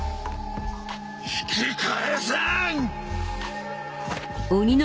引き返せん！